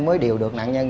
mới điều được nạn nhân